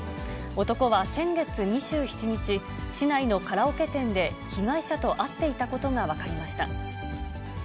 男は先月２７日、市内のカラオケ店で被害者と会っていたことが分かりました。